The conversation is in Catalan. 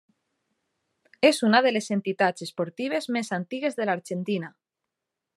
És una de les entitats esportives més antigues de l'Argentina.